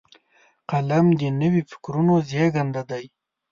قلم د نوي فکرونو زیږنده دی